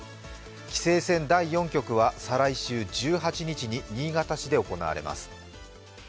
棋聖戦第４局は再来週、１８日に新潟市で行われます。